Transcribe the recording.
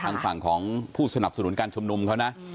ทางฝั่งของผู้สนับสนุนการชุมนุมเขานะ